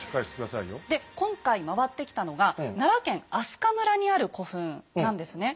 で今回回ってきたのが奈良県明日香村にある古墳なんですね。